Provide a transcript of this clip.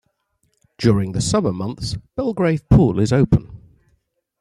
During the summer months Belgrave Pool is open.